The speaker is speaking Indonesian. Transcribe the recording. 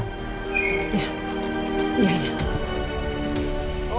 kamu ada nomer telepon